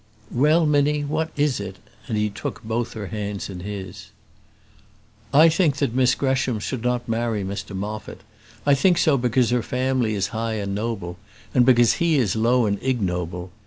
"Well, Minnie, what is it?" and he took both her hands in his. "I think that Miss Gresham should not marry Mr Moffat. I think so because her family is high and noble, and because he is low and ignoble.